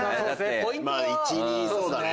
まぁ１・２そうだね。